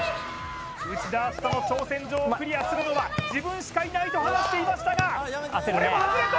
内田篤人の挑戦状をクリアするのは自分しかいないと話していましたがこれも外れた！